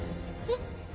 えっ？